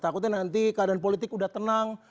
takutnya nanti keadaan politik udah tenang